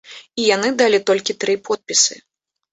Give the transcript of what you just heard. І яны далі толькі тры подпісы.